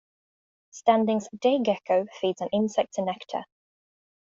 Standing's day gecko feeds on insects and nectar.